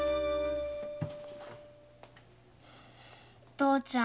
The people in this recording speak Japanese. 父ちゃん